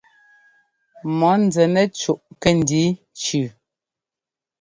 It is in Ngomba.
Mɔ̌ nzɛ nɛ cúʼ kɛ́ndǐ cʉʉ.